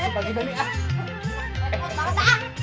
masih kaget banget dah ah